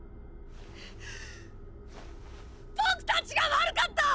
僕たちが悪かった！！